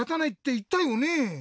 いったよね？